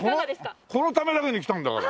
このためだけに来たんだから。